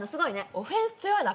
オフェンス強いな。